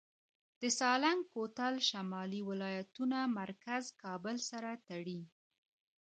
د سالنګ کوتل شمالي ولایتونه مرکز کابل سره تړي